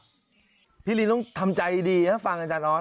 พี่ฟังอยู่ด้วยหรือเปล่าพี่ลินต้องทำใจดีฟังอาจารย์ออส